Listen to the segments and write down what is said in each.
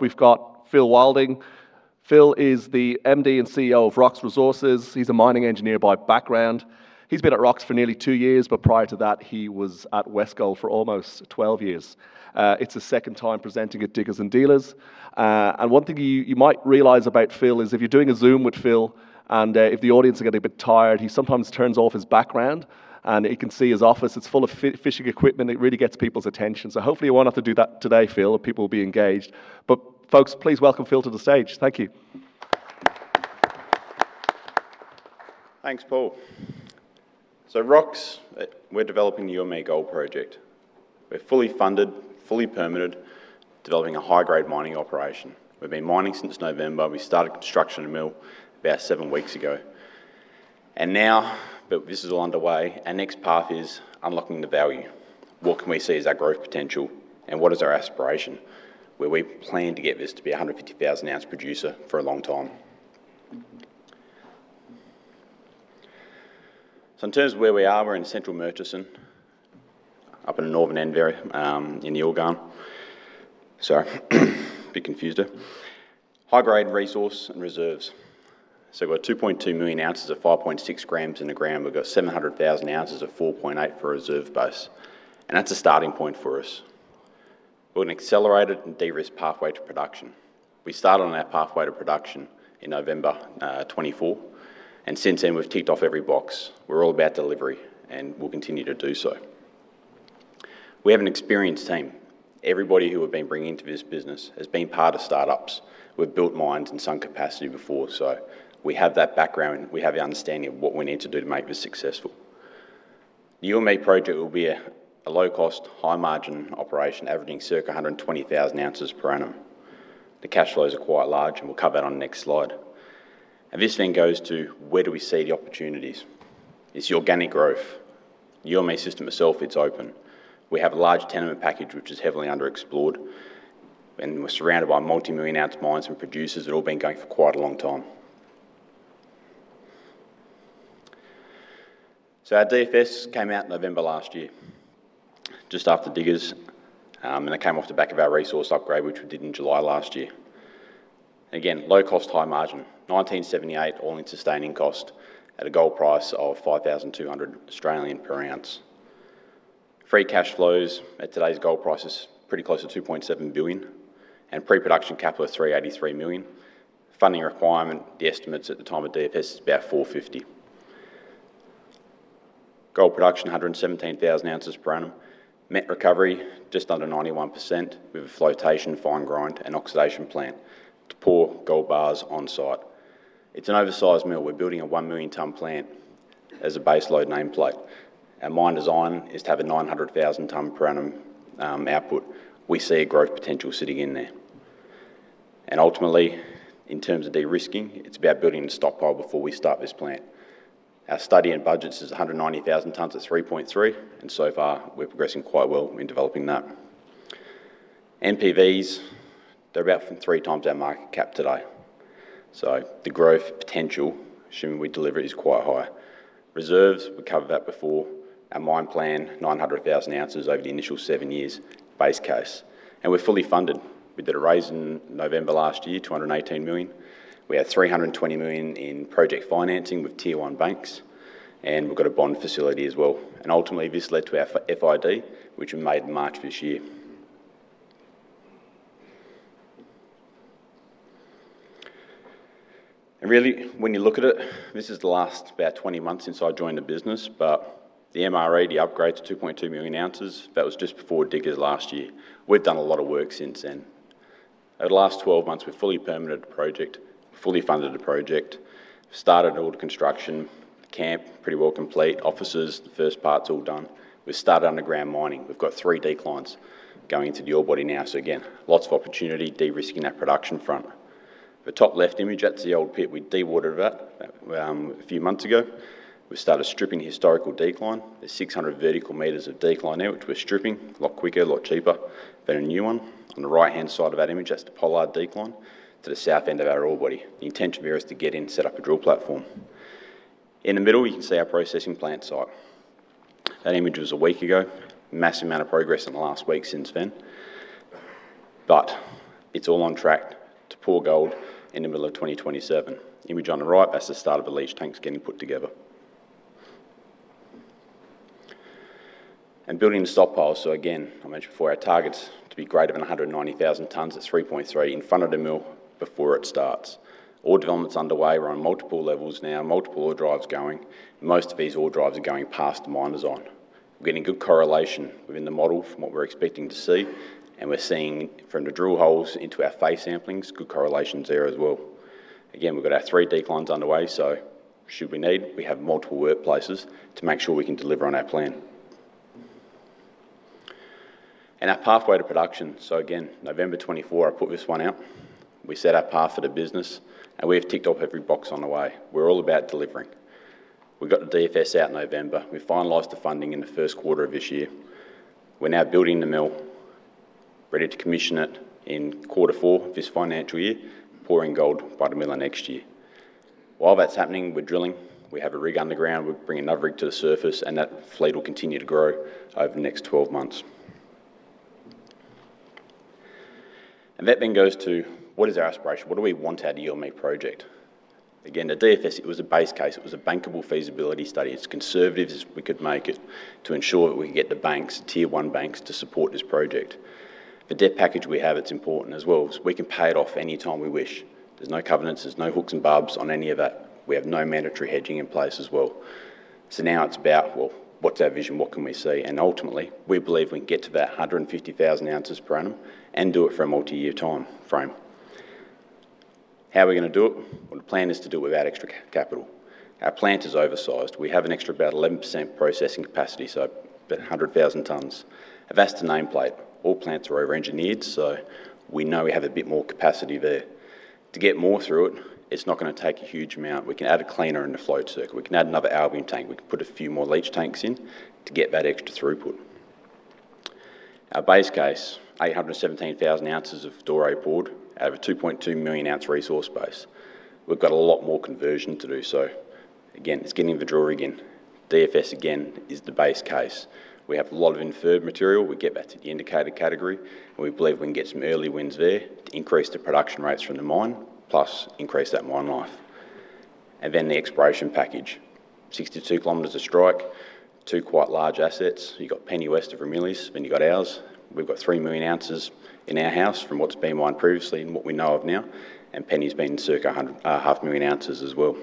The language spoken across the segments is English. We've got Phil Wilding. Phil is the MD and CEO of Rox Resources. He's a mining engineer by background. He's been at Rox for nearly two years, but prior to that, he was at Westgold for almost 12 years. It's his second time presenting at Diggers & Dealers. One thing you might realize about Phil is if you're doing a Zoom with Phil and if the audience are getting a bit tired, he sometimes turns off his background, and you can see his office. It's full of fishing equipment. It really gets people's attention. Hopefully you won't have to do that today, Phil people will be engaged. Folks, please welcome Phil to the stage. Thank you. Thanks Paul Rox, we're developing the Youanmi Gold Project. We're fully funded, fully permitted, developing a high-grade mining operation. We've been mining since November. We started construction of the mill about seven weeks ago. This is all underway. Our next path is unlocking the value. What can we see as our growth potential, and what is our aspiration? We plan to get this to be a 150,000-ounce producer for a long time. In terms of where we are, we're in Central Murchison, up in the northern end, very in the Yilgarn. Sorry, bit confused there. High-grade resource and reserves. We've got 2.2 million ounces of 5.6 g in the ground. We've got 700,000 ounces of 4.8 for a reserve base, and that's a starting point for us. We've got an accelerated and de-risked pathway to production. We started on that pathway to production in November 2024, and since then, we've ticked off every box. We're all about delivery, and we'll continue to do so. We have an experienced team. Everybody who we've been bringing into this business has been part of startups. We've built mines in some capacity before. We have that background. We have the understanding of what we need to do to make this successful. The Youanmi project will be a low-cost, high-margin operation averaging circa 120,000 ounces per annum. The cash flows are quite large, and we'll cover that on the next slide. This then goes to, where do we see the opportunities? It's the organic growth. The Youanmi system itself, it's open. We have a large tenement package, which is heavily underexplored, and we're surrounded by multimillion-ounce mines and producers that have been going for quite a long time. Our DFS came out in November last year, just after Diggers, and it came off the back of our resource upgrade, which we did in July last year. Again, low cost, high margin, 1,978 all-in sustaining cost at a gold price of 5,200 per ounce. Free cash flows at today's gold price is pretty close to 2.7 billion and pre-production capital of 383 million. Funding requirement, the estimates at the time of DFS is about 450. Gold production, 117,000 ounces per annum. Met recovery, just under 91% with a flotation, fine grind, and oxidation plant to pour gold bars on-site. It's an oversized mill. We're building a one million-ton plant as a base load nameplate. Our mine design is to have a 900,000-ton per annum output. We see a growth potential sitting in there. Ultimately, in terms of de-risking, it's about building the stockpile before we start this plant. Our study and budgets is 190,000 tons at 3.3, and so far, we're progressing quite well in developing that. NPVs, they're about three 3x our market cap today. The growth potential, assuming we deliver, is quite high. Reserves, we covered that before. Our mine plan, 900,000 ounces over the initial seven years base case. We're fully funded. We did a raise in November last year, 218 million. We had 320 million in project financing with Tier 1 banks, and we've got a bond facility as well. Ultimately, this led to our FID, which we made in March of this year. Really, when you look at it, this is the last about 20 months since I joined the business. The MRE, the upgrade to 2.2 million ounces, that was just before Diggers last year. We've done a lot of work since then. Over the last 12 months, we've fully permitted the project, fully funded the project, started all the construction, camp pretty well complete, offices, the first part's all done. We've started underground mining. We've got three declines going into the ore body now. Again, lots of opportunity, de-risking that production front. The top left image, that's the old pit. We dewatered that a few months ago. We've started stripping the historical decline. There's 600 vertical meters of decline there, which we're stripping, a lot quicker, a lot cheaper than a new one. On the right-hand side of that image, that's the Pollard decline to the south end of our ore body. The intention there is to get in, set up a drill platform. In the middle, you can see our processing plant site. That image was a week ago. Massive amount of progress in the last week since then. It's all on track to pour gold in the middle of next year. Image on the right, that's the start of the leach tanks getting put together. Building the stockpile. Again, I mentioned before, our target's to be greater than 190,000 tons at 3.3 in front of the mill before it starts. Ore development's underway. We're on multiple levels now, multiple ore drives going. Most of these ore drives are going past the mine design. We're getting good correlation within the model from what we're expecting to see, and we're seeing from the drill holes into our face samplings, good correlations there as well. Again, we've got our three declines underway, so should we need, we have multiple workplaces to make sure we can deliver on our plan. Our pathway to production. Again, November 2024, I put this one out. We set our path for the business, and we have ticked off every box on the way. We're all about delivering. We got the DFS out in November. We finalized the funding in the first quarter of this year. We're now building the mill, ready to commission it in quarter four of this financial year, pouring gold by the middle of next year. While that's happening, we're drilling. We have a rig underground. We'll bring another rig to the surface, and that fleet will continue to grow over the next 12 months. That then goes to, what is our aspiration? What do we want our Youanmi project? The DFS, it was a base case. It was a bankable feasibility study. It's conservative as we could make it to ensure that we can get the tier 1 banks to support this project. The debt package we have, it's important as well. We can pay it off any time we wish. There's no covenants, there's no hooks and barbs on any of that. We have no mandatory hedging in place as well. Now it's about, well, what's our vision? What can we see? Ultimately, we believe we can get to that 150,000 ounces per annum and do it for a multi-year timeframe. How are we going to do it? Well, the plan is to do it without extra capital. Our plant is oversized. We have an extra about 11% processing capacity, so about 100,000 tons of that's to nameplate. All plants are over-engineered, we know we have a bit more capacity there. To get more through it's not going to take a huge amount. We can add a cleaner and a float circuit. We can add another Albion tank. We can put a few more leach tanks in to get that extra throughput. Our base case, 817,000 ounces of doré poured out of a 2.2 million-ounce resource base. We've got a lot more conversion to do so. It's getting to the draw again. DFS, again, is the base case. We have a lot of inferred material. We get that to the indicated category, and we believe we can get some early wins there to increase the production rates from the mine, plus increase that mine life. Then the exploration package. 62 km of strike, two quite large assets. You've got Penny West of Ramelius, you've got ours. We've got 3 million ounces in our house from what's been mined previously and what we know of now. Penny's been circa half a million ounces as well.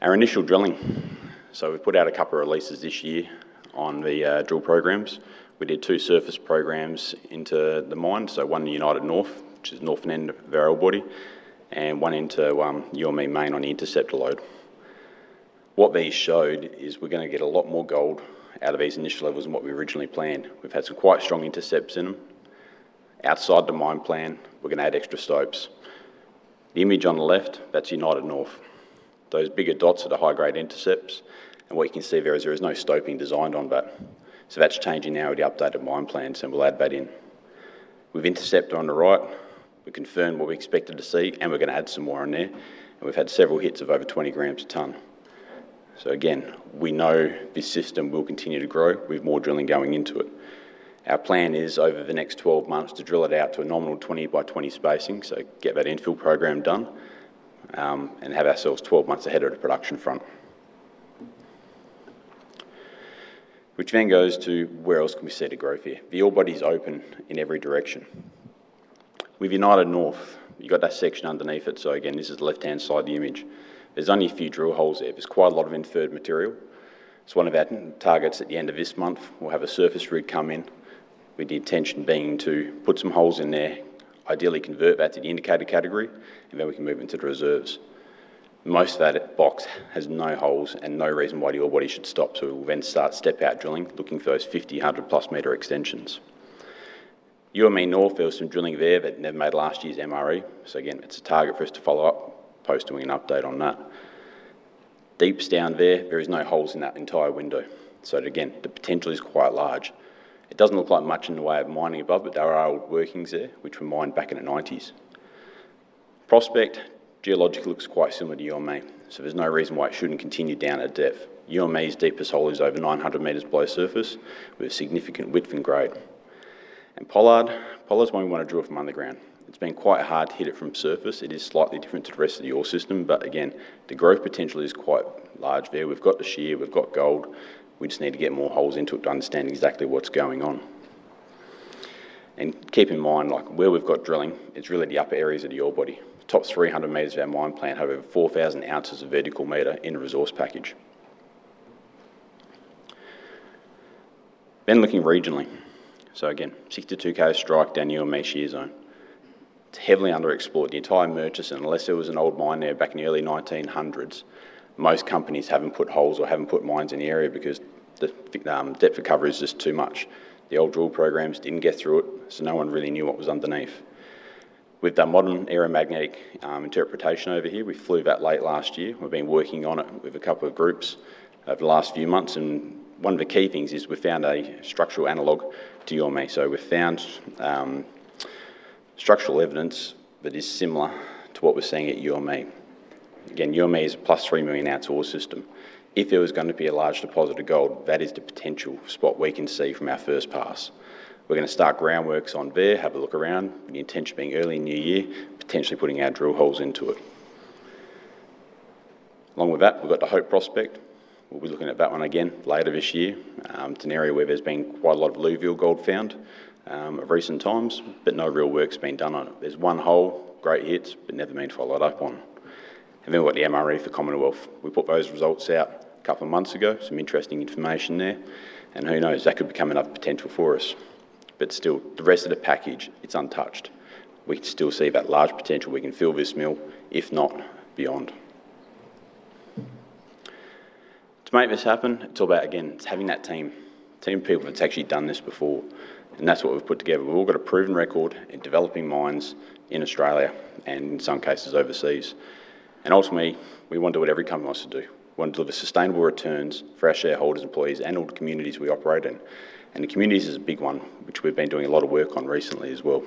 Our initial drilling. We put out a couple of releases this year on the drill programs. We did two surface programs into the mine. One, Youanmi North, which is the northern end of our ore body, and one into Youanmi Main on the Interceptor Lode. What these showed is we're going to get a lot more gold out of these initial levels than what we originally planned. We've had some quite strong intercepts in them. Outside the mine plan, we're going to add extra stopes. The image on the left, that's Youanmi North. Those bigger dots are the high-grade intercepts, what you can see there is there is no stoping designed on that. That's changing now with the updated mine plan, we'll add that in. With Intercept on the right, we confirmed what we expected to see, we're going to add some more on there, we've had several hits of over 20 grams a ton. Again we know this system will continue to grow with more drilling going into it. Our plan is over the next 12 months to drill it out to a nominal 20 by 20 spacing, get that infill program done, have ourselves 12 months ahead of the production front. Goes to where else can we see the growth here? The ore body's open in every direction. With Youanmi North, you've got that section underneath it. Again, this is the left-hand side of the image. There's only a few drill holes there. There's quite a lot of inferred material. It's one of our targets at the end of this month. We'll have a surface rig come in with the intention being to put some holes in there, ideally convert that to the indicated category, and then we can move into the reserves. Most of that box has no holes and no reason why the ore body should stop. We'll then start step-out drilling, looking for those 50, 100-plus meter extensions. Youanmi North there was some drilling there that never made last year's MRE. Again, it's a target for us to follow up post doing an update on that. Deeps down there is no holes in that entire window. Again, the potential is quite large. It doesn't look like much in the way of mining above, but there are old workings there, which were mined back in the '90s. Prospect, geologically, looks quite similar to Youanmi. There's no reason why it shouldn't continue down at depth. Youanmi's deepest hole is over 900 m below surface with significant width and grade. Pollard's one we want to drill from underground. It's been quite hard to hit it from surface. It is slightly different to the rest of the ore system. Again, the growth potential is quite large there. We've got the shear, we've got gold. We just need to get more holes into it to understand exactly what's going on. Keep in mind where we've got drilling, it's really the upper areas of the ore body. The top 300 m of our mine plan have over 4,000 ounces of vertical meter in the resource package. Looking regionally. Again, 62,000 strike down Youanmi Shear Zone. It's heavily underexplored. The entire Murchison, unless there was an old mine there back in the early 1900s, most companies haven't put holes or haven't put mines in the area because the depth of cover is just too much. The old drill programs didn't get through it, so no one really knew what was underneath. We've done modern aeromagnetic interpretation over here. We flew that late last year. We've been working on it with a couple of groups over the last few months, and one of the key things is we found a structural analog to Youanmi. We found structural evidence that is similar to what we're seeing at Youanmi. Again, Youanmi is a +3 million-ounce ore system. If there was going to be a large deposit of gold, that is the potential spot we can see from our first pass. We're going to start groundworks on there, have a look around, the intention being early in the new year, potentially putting our drill holes into it. Along with that, we've got the Hope Prospect. We'll be looking at that one again later this year. It's an area where there's been quite a lot of alluvial gold found of recent times, but no real work's been done on it. There's one hole, great hits, but never been followed up on. Then we've got the MRE for Commonwealth. We put those results out a couple of months ago, some interesting information there. Who knows? That could become another potential for us. Still, the rest of the package, it's untouched. We can still see that large potential. We can fill this mill if not beyond. To make this happen, it's all about, again, it's having that team. Team of people that's actually done this before, and that's what we've put together. We've all got a proven record in developing mines in Australia and in some cases overseas. Ultimately, we want to do what every company wants to do. We want to deliver sustainable returns for our shareholders, employees, and all the communities we operate in. The communities is a big one, which we've been doing a lot of work on recently as well.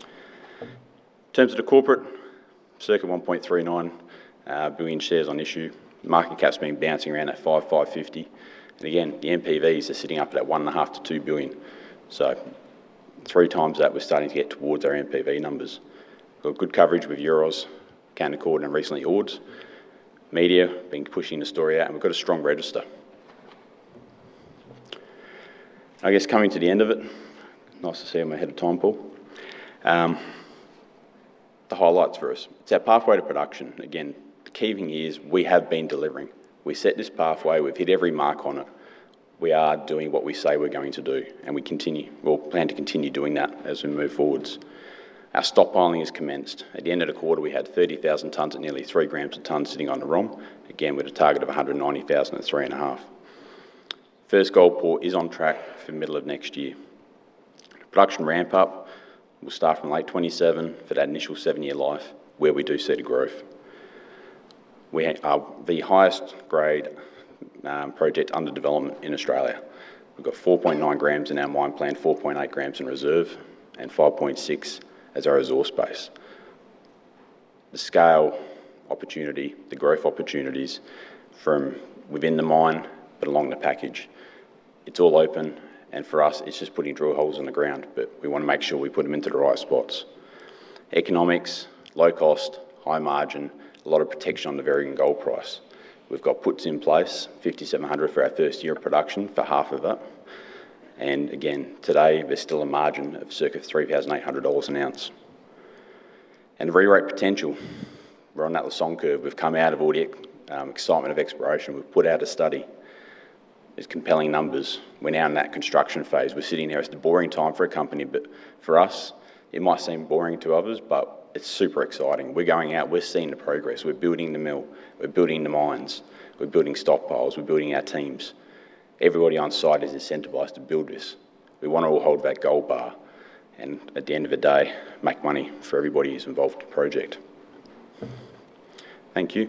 In terms of the corporate, circa 1.39 billion shares on issue. The market cap's been bouncing around at 500 million, 550 million, and again, the NPVs are sitting up at that 1.5 billion-2 billion. Three times that, we're starting to get towards our NPV numbers. Got good coverage with Euroz Hartleys, Canaccord Genuity, recently Ord Minnett. Media have been pushing the story out. We've got a strong register. I guess coming to the end of it, nice to see I'm ahead of time, Paul. The highlights for us. It's our pathway to production. Again, the key thing is we have been delivering. We set this pathway. We've hit every mark on it. We are doing what we say we're going to do. We plan to continue doing that as we move forwards. Our stockpiling has commenced. At the end of the quarter, we had 30,000 tons at nearly 3 grams a ton sitting on the ROM. Again, with a target of 190,000 at 3.5. First gold pour is on track for middle of next year. Production ramp-up will start from late 2025 for that initial seven-year life where we do see the growth. We are the highest grade project under development in Australia. We've got 4.9 g in our mine plan, 4.8 g in reserve, and 5.6 as our resource base. The scale opportunity, the growth opportunities from within the mine, but along the package. It's all open. For us, it's just putting drill holes in the ground. We want to make sure we put them into the right spots. Economics, low cost, high margin, a lot of protection on the varying gold price. We've got puts in place, 5,700 for our first year of production for half of it. Again, today, there's still a margin of circa 3,800 dollars an ounce. Rerate potential, we're on that Lassonde Curve. We've come out of all the excitement of exploration. We've put out a study. There's compelling numbers. We're now in that construction phase. We're sitting there. It's the boring time for a company. For us, it might seem boring to others. It's super exciting. We're going out. We're seeing the progress. We're building the mill. We're building the mines. We're building stockpiles. We're building our teams. Everybody on site is incentivized to build this. We want to all hold that gold bar. At the end of the day, make money for everybody who's involved in the project. Thank you.